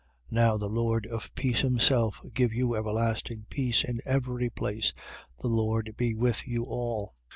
3:16. Now the Lord of peace himself give you everlasting peace in every place. The Lord be with you all.